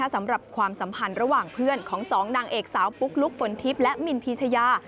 ความสัมพันธ์ระหว่างเพื่อนของสองนางเอกสาวปุ๊กลุ๊กฝนทิพย์และมินพีชยา